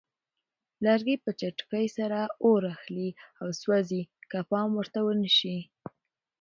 لرګي په چټکۍ سره اور اخلي او سوځي که پام ورته ونه شي.